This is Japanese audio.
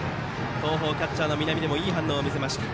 東邦のキャッチャー、南出もいい反応を見せました。